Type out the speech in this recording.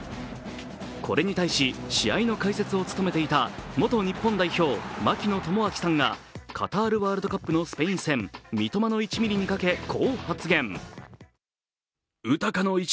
これに対し試合の解説を務めていた元日本代表、槙野智章さんがカタールワールドカップのスペイン戦「三笘の１ミリ」にかけこう発言